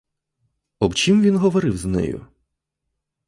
І об чім він говорив з нею?